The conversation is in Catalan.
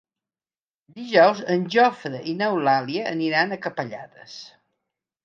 Dijous en Jofre i n'Eulàlia aniran a Capellades.